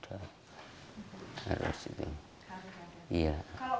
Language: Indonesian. kalau ketinggalan siapa apa dampaknya